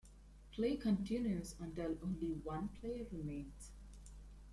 Play continues until only one player remains.